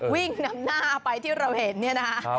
วิ่งนำหน้าไปที่เราเห็นเนี่ยนะคะ